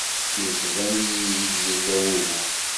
Yettban-iyi-d yella wugur.